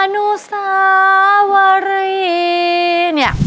อนุสาวรีเนี่ย